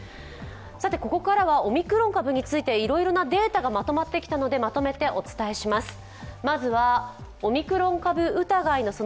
ここからはオミクロン株について、いろいろなデータがまとまってきたのでまとめてお伝えします。